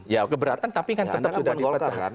ya kekeberatan tapi kan tetap sudah dipecah